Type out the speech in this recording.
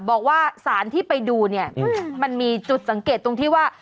บอกว่าสารที่ไปดูเนี่ยมันมีจุดสังเกตตรงที่ว่า